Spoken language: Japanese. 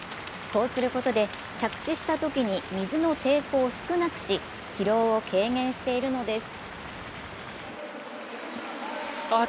こうすることで着地したときに水の抵抗を少なくし、疲労を軽減しているのです。